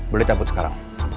boleh cabut sekarang